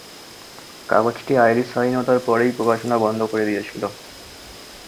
কাগজটি আইরিশ স্বাধীনতার পরেই প্রকাশনা বন্ধ করে দিয়েছিল।